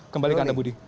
kembali ke anda budi